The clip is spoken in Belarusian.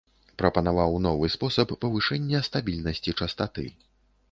Прапанаваў новы спосаб павышэння стабільнасці частаты.